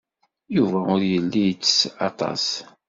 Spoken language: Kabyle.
Yuba ur yelli ittess aṭas.